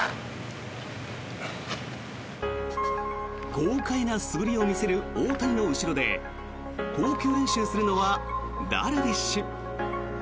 豪快な素振りを見せる大谷の後ろで投球練習するのはダルビッシュ。